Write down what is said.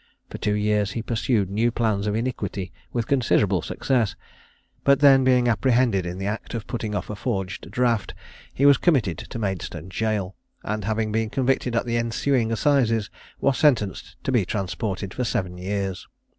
For two years he pursued new plans of iniquity with considerable success, but then being apprehended in the act of putting off a forged draft, he was committed to Maidstone jail, and having been convicted at the ensuing assizes, was sentenced to be transported for seven years.